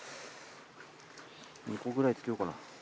２個ぐらい付けようかな。